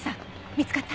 見つかった？